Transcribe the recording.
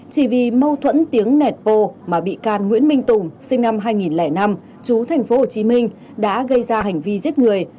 chỉ vì mâu thuẫn tiếng nẹt bô mà bị can nguyễn minh tùng sinh năm hai nghìn năm chú tp hcm đã gây ra hành vi giết người